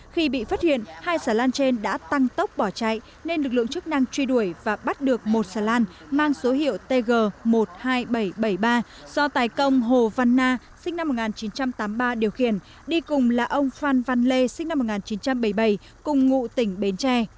khi bị phát hiện hai xà lan trên đã tăng tốc bỏ chạy nên lực lượng chức năng truy đuổi và bắt được một xà lan mang số hiệu tg một mươi hai nghìn bảy trăm bảy mươi ba do tài công hồ văn na sinh năm một nghìn chín trăm tám mươi ba điều khiển đi cùng là ông phan văn lê sinh năm một nghìn chín trăm bảy mươi bảy cùng ngụ tỉnh bến tre